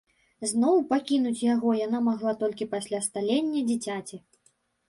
Зноў пакінуць яго яна магла толькі пасля сталення дзіцяці.